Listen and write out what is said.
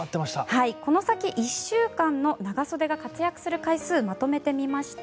この先１週間の長袖が活躍する回数をまとめてみました。